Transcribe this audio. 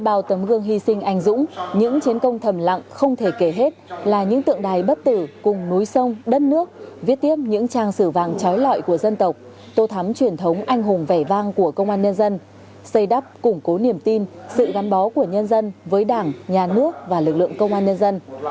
bộ trưởng tô lâm thầm lặng không thể kể hết là những tượng đài bất tử cùng núi sông đất nước viết tiếp những tràng sử vàng trói lọi của dân tộc tô thám truyền thống anh hùng vẻ vang của công an nhân dân xây đắp củng cố niềm tin sự gắn bó của nhân dân với đảng nhà nước và lực lượng công an nhân dân